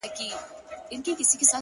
خدايه ښامار د لمر رڼا باندې راوښويدی”